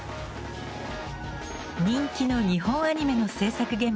人気の日本アニメの制作現場。